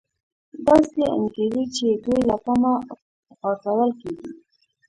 داسې انګېري چې دوی له پامه غورځول کېږي